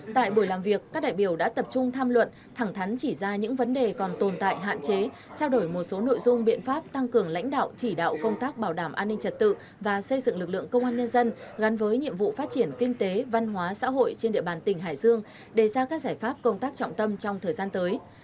tại buổi làm việc các đại biểu đã tập trung tham luận thẳng thắn chỉ ra những vấn đề còn tồn tại hạn chế trao đổi một số nội dung biện pháp tăng cường lãnh đạo chỉ đạo công tác bảo đảm an ninh trật tự và xây dựng lực lượng công an nhân dân gắn với nhiệm vụ phát triển kinh tế văn hóa xã hội trên địa bàn tỉnh hải dương đề ra các giải pháp công tác trọng tâm trong thời gian tới